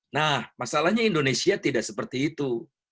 nah masalahnya indonesia tidak seperti itu